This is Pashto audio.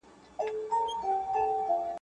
o د بل پر وټ درې درې وايي.